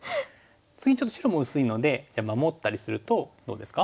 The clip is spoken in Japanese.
次ちょっと白も薄いのでじゃあ守ったりするとどうですか？